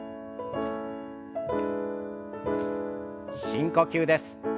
深呼吸です。